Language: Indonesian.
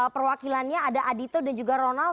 perwakilannya ada adito dan juga ronald